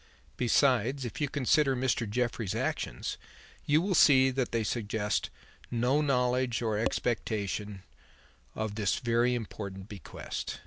Besides, if you consider Mr. Jeffrey's actions, you will see that they suggest no knowledge or expectation of this very important bequest.